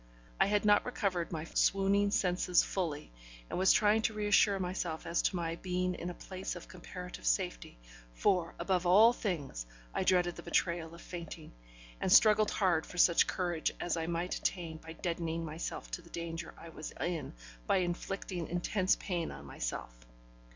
I had not recovered my swooning senses fully, and was trying to reassure myself as to my being in a place of comparative safety, for, above all things, I dreaded the betrayal of fainting, and struggled hard for such courage as I might attain by deadening myself to the danger I was in by inflicting intense pain on myself.